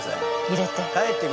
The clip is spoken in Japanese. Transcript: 入れて。